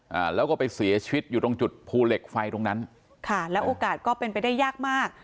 อ่าแล้วก็ไปเสียชีวิตอยู่ตรงจุดภูเหล็กไฟตรงนั้นค่ะแล้วโอกาสก็เป็นไปได้ยากมาก